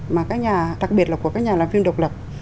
mà các nhà đặc biệt là của các nhà làm phim độc lập